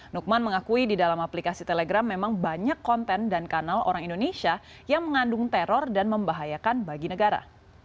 nukman mengakui di dalam aplikasi telegram memang banyak konten dan kanal orang indonesia yang mengandung teror dan membahayakan bagi negara